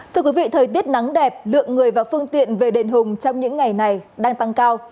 thời tiết nắng đẹp lượng người và phương tiện về đền hùng trong những ngày này đang tăng cao